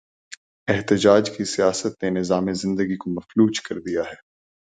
احتجاج کی سیاست نے نظام زندگی کو مفلوج کر دیا ہے۔